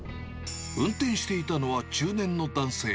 運転していたのは、中年の男性。